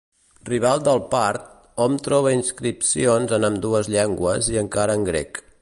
Rival del part, hom troba inscripcions en ambdues llengües i encara en grec.